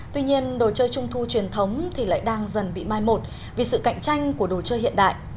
tuy nhiên đồ chơi trung thu truyền thống thì lại đang dần bị mai một vì sự cạnh tranh của đồ chơi hiện đại